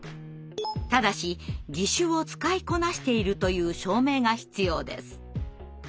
ただし「義手を使いこなしている」という証明が必要です。